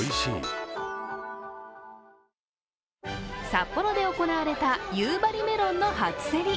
札幌で行われた夕張メロンの初競り。